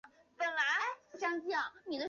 但脾胃虚寒者慎服。